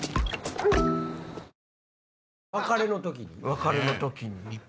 別れの時に。